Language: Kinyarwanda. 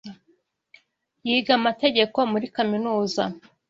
Yiga amategeko muri kaminuza.